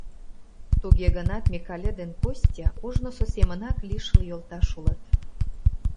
Туге гынат, Микале ден Костя ожнысо семынак лишыл йолташ улыт.